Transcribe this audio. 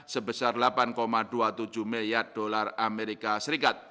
sebesar delapan dua puluh tujuh miliar dolar amerika serikat